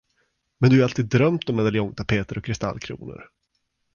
Men du har ju alltid drömt om medaljongtapeter och kristallkronor?